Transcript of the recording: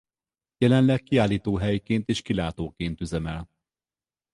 Jelenleg kiállítóhelyként és kilátóként üzemel.